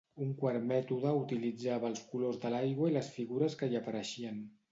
Un quart mètode utilitzava els colors de l'aigua i les figures que hi apareixien.